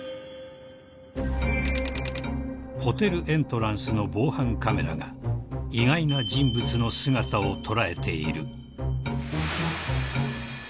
［ホテルエントランスの防犯カメラが意外な人物の姿を捉えている］